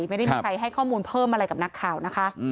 ไม่ได้มีใครให้ข้อมูลเพิ่มอะไรกับนักข่าวนะคะ